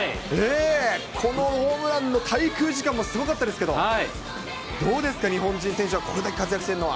ええ、このホームランの滞空時間もすごかったですけど、どうですか、日本人選手がこれだけ活躍してるのは。